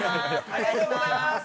ありがとうございます！